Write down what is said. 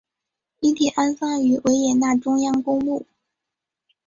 遗体安葬于维也纳中央公墓。